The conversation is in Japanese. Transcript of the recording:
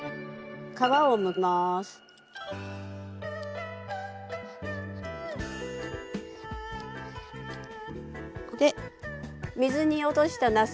皮をむきます。